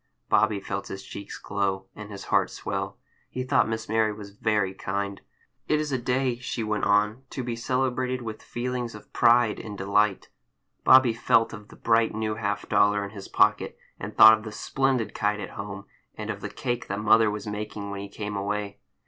Bobby felt his cheeks glow, and his heart swell. He thought Miss Mary was very kind. "It is a day," she went on, "to be celebrated with feelings of pride and delight." Bobby felt of the bright new half dollar in his pocket, and thought of the splendid kite at home, and of the cake that mother was making when he came away.